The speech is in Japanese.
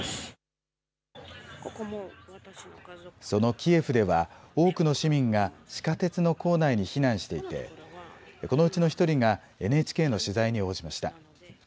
そのキエフでは多くの市民が地下鉄の構内に避難していてこのうちの１人がＮＨＫの取材に応じました。